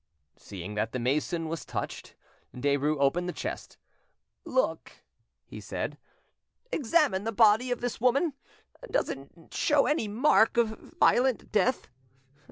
Seeing that the mason was touched, Derues opened the chest. "Look," he said, "examine the body of this woman, does it show any mark of violent death?